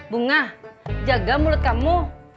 bunga jaga mulut kamu